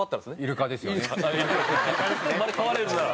生まれ変われるなら。